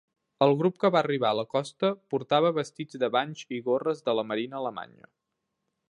El grup que va arribar a la costa portava vestits de banys i gorres de la Marina alemanya.